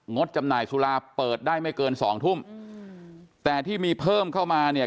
ดจำหน่ายสุราเปิดได้ไม่เกินสองทุ่มแต่ที่มีเพิ่มเข้ามาเนี่ย